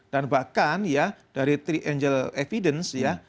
dan bahkan ya dari three angel evidence ya